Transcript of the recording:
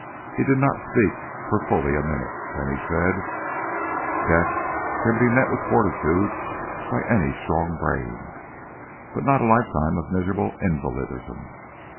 He did not speak for fully a minute. Then he said, "Death can be met with fortitude by any strong brain, but not a lifetime of miserable invalidism.